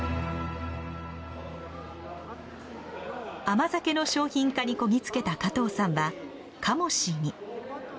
甘酒の商品化にこぎつけた加藤さんはカモシーに。